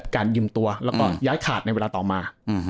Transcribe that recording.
การยืมตัวแล้วก็ย้ายขาดในเวลาต่อมา